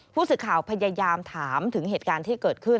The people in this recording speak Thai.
ผู้สื่อข่าวพยายามถามถึงเหตุการณ์ที่เกิดขึ้น